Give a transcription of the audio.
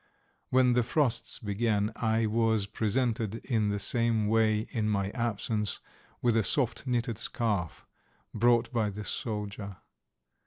When the frosts began I was presented in the same way in my absence with a soft knitted scarf brought by the soldier.